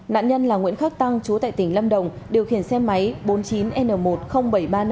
nạn nhân là nguyễn khắc tăng chú tại tỉnh lâm đồng điều khiển xe máy bốn mươi chín n một trăm linh bảy nghìn ba trăm năm mươi